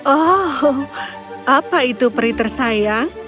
oh apa itu peri tersayang